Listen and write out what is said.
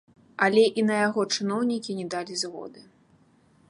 Але і на яго чыноўнікі не далі згоды.